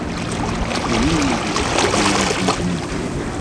Ini-iyi-d d acu-t unamek n tmeddurt.